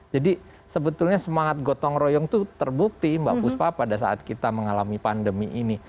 jadi sebetulnya semangat gotong royong itu terbukti mbak puspa pada saat kita mengalami pandemi ini